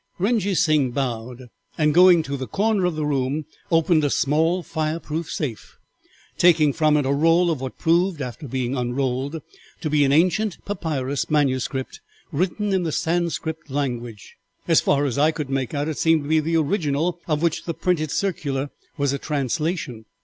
"Rengee Sing bowed, and, going to the corner of the room, opened a small fireproof safe, taking from it a roll of what proved after being unrolled to be an ancient papyrus manuscript written in the Sanscrit language. As far as I could make out it seemed to be the original of which the printed circular was a translation.